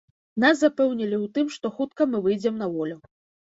Нас запэўнілі ў тым, што хутка мы выйдзем на волю.